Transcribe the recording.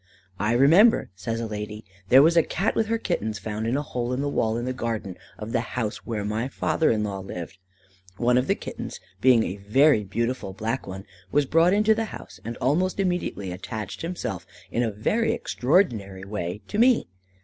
"I remember," says a lady, "there was a Cat with her Kittens found in a hole in the wall, in the garden of the house where my father in law lived. One of the kittens, being a very beautiful black one, was brought into the house, and almost immediately attached himself in a very extraordinary way to me.